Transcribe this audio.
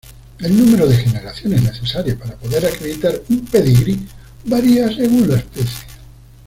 El número de generaciones necesarias para poder acreditar un pedigrí varía según la especie.